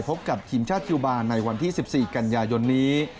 พบกับทีมชาติคิวบาร์ในวันที่๑๔กันยายนนี้